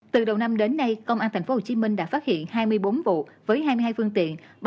từ đầu năm đến nay công an tp hcm đã phát hiện hai mươi bốn vụ với hai mươi hai phương tiện